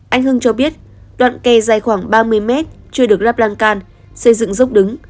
anh hưng cho biết đoạn kè dài khoảng ba mươi mét chưa được rắp răng can xây dựng dốc đứng